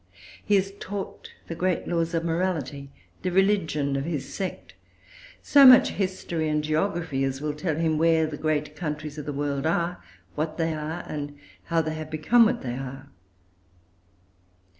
He is taught the great laws of morality; the religion of his sect; so much history and geography as will tell him where the great countries of the world are, what they are, and how they have become what they are.